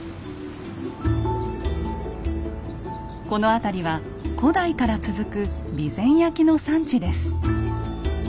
この辺りは古代から続く備前焼の産地です。